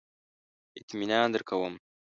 اطمینان درکوم.